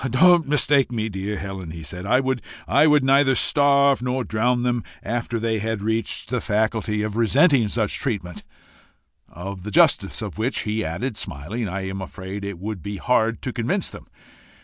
"Don't mistake me, dear Helen," he said. "I would neither starve nor drown them after they had reached the faculty of resenting such treatment of the justice of which," he added, smiling, "I am afraid it would be hard to convince them.